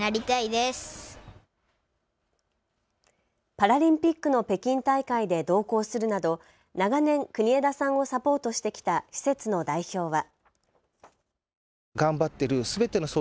パラリンピックの北京大会で同行するなど長年、国枝さんをサポートしてきた施設の代表は。